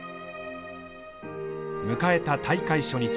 迎えた大会初日。